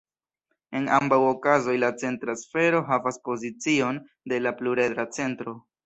En ambaŭ okazoj la centra sfero havas pozicion de la pluredra centro.